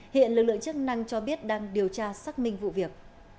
hiện lực lượng chức năng cho biết đang điều tra xác minh vụ việc